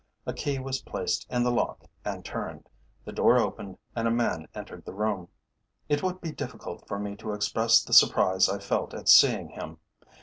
A key was placed in the lock and turned, the door opened, and a man entered the room. It would be difficult for me to express the surprise I felt at seeing him.